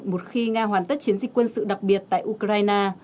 một khi nga hoàn tất chiến dịch quân sự đặc biệt tại ukraine